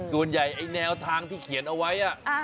ส่วนใหญ่แนวทางที่เขียนเอาไว้